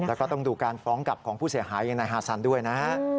แล้วก็ต้องดูการฟ้องกับของผู้เสียหายในฮาซันด้วยนะ